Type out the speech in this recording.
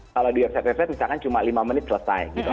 kalau di website website misalkan cuma lima menit selesai gitu